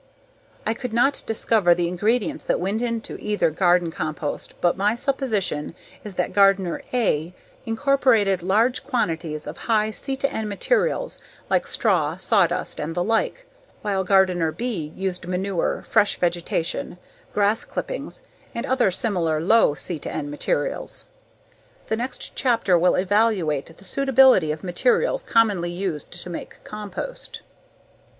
I could not discover the ingredients that went into either garden compost but my supposition is that gardener "A" incorporated large quantities of high C/N materials like straw, sawdust and the like while gardener "B" used manure, fresh vegetation, grass clippings and other similar low C/N materials. The next chapter will evaluate the suitability of materials commonly used to make compost.